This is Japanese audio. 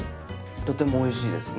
とてもおいしいですね。